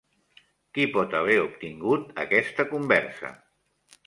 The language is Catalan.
Qui pot haver obtingut aquesta conversa?